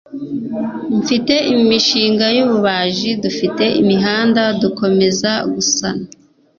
mfite imishinga y'ububaji. dufite imihanda dukomeza gusana